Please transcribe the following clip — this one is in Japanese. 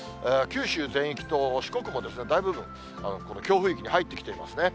九州全域と四国もですね、大部分、この強風域に入ってきていますね。